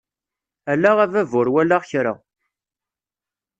Ala a baba ur walaɣ kra!